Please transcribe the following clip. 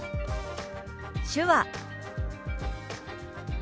「手話」。